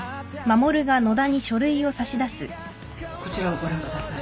こちらをご覧ください。